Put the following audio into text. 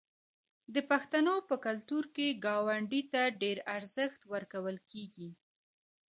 د پښتنو په کلتور کې ګاونډي ته ډیر ارزښت ورکول کیږي.